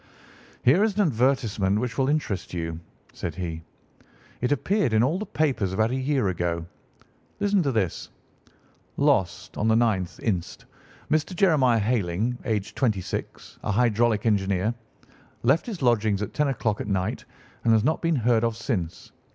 "Here is an advertisement which will interest you," said he. "It appeared in all the papers about a year ago. Listen to this: 'Lost, on the 9th inst., Mr. Jeremiah Hayling, aged twenty six, a hydraulic engineer. Left his lodgings at ten o'clock at night, and has not been heard of since.